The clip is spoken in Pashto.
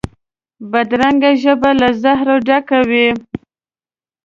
بدرنګه ژبه له زهره ډکه وي